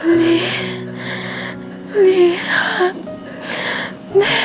ลิลิฮักแม่